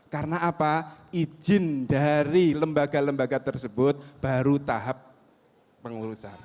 karena apa izin dari lembaga lembaga tersebut baru tahap pengurusan